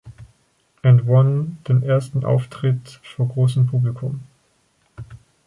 And One den ersten Auftritt vor großem Publikum.